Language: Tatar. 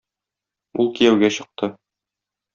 Ул кияүгә чыкты.